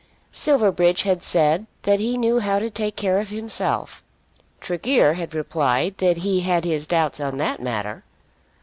Silverbridge had said that he knew how to take care of himself. Tregear had replied that he had his doubts on that matter.